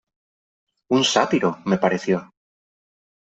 Un sátiro, me pareció.